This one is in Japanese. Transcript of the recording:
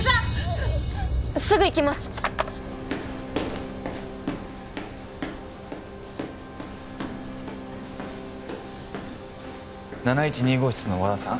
すぐ行きます７１２号室の和田さん